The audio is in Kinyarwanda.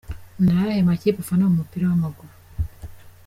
Ni ayahe makipe ufana mu mupira w’amaguru.